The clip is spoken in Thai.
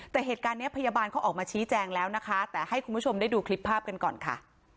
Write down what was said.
แต่เหตุการณ์นี้พยาบาลเขาออกมาชี้แจงแล้วนะคะแต่ให้คุณผู้ชมได้ดูคลิปภาพกันก่อนค่ะ